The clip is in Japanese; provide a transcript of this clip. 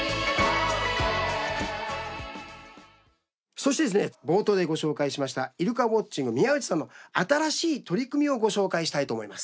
そしてですね冒頭でご紹介しましたイルカウォッチング宮内さんの新しい取り組みをご紹介したいと思います。